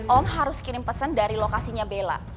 om harus kirim pesan dari lokasinya bella